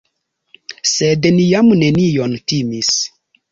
Sed ni jam nenion timis.